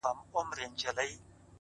چي يوه لپه ښكلا يې راته راكړه ـ